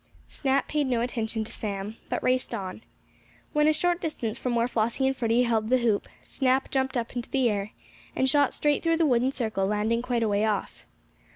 Snap paid no attention to Sam, but raced on. When a short distance from where Flossie and Freddie held the hoop, Snap jumped up into the air, and shot straight through the wooden circle, landing quite a way off.